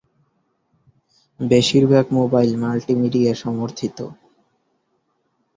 বেশিরভাগ mobile multimedia সমর্থিত।